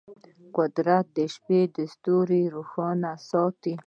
قدرت د شپې ستوري روښانه ساتي.